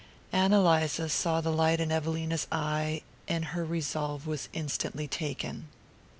Ann Eliza saw the light in Evelina's eye and her resolve was instantly taken.